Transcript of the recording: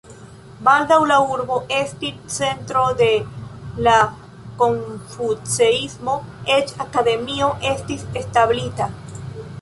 Baldaŭ la urbo estis centro de la konfuceismo, eĉ akademio estis establita.